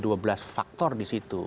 dua belas faktor di situ